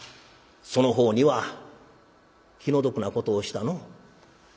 「その方には気の毒なことをしたのう」。